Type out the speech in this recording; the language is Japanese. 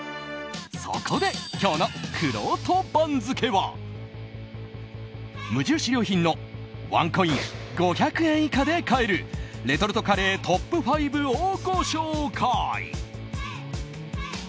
そこで今日のくろうと番付は無印良品のワンコイン５００円以下で買えるレトルトカレートップ５をご紹介。